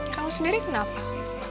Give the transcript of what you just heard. kamu sendiri kenapa